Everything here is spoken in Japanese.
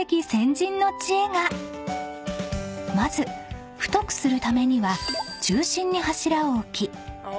［まず太くするためには中心に柱を置き］